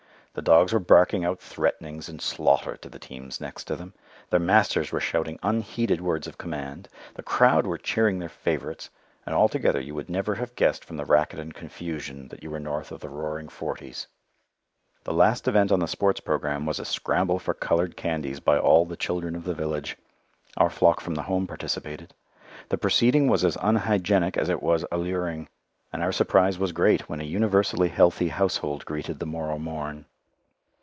The dogs were barking out threatenings and slaughter to the teams next them, their masters were shouting unheeded words of command, the crowd were cheering their favourites, and altogether you would never have guessed from the racket and confusion that you were north of the Roaring Forties. The last event on the sports programme was a scramble for coloured candies by all the children of the village. Our flock from the Home participated. The proceeding was as unhygienic as it was alluring, and our surprise was great when a universally healthy household greeted the morrow morn.